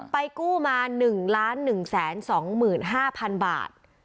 กู้มา๑๑๒๕๐๐๐บาท